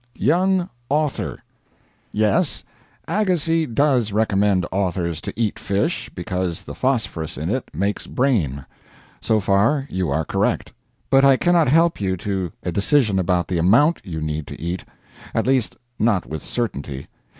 "YOUNG AUTHOR." Yes, Agassiz does recommend authors to eat fish, because the phosphorus in it makes brain. So far you are correct. But I cannot help you to a decision about the amount you need to eat at least, not with certainty.